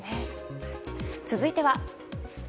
続いては。